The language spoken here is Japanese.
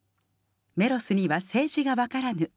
メロスには政治がわからぬ。